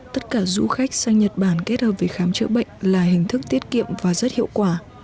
tất cả du khách sang nhật bản kết hợp với khám chữa bệnh là hình thức tiết kiệm và rất hiệu quả